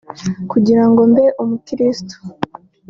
kugira ngo mbe umukirisitu